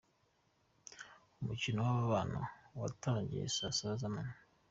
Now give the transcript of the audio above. Umukino w'aba bana watangiye saa saba z'amanywa .